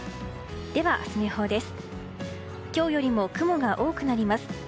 では、明日の予報です。